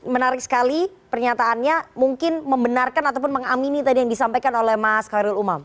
menarik sekali pernyataannya mungkin membenarkan ataupun mengamini tadi yang disampaikan oleh mas khairul umam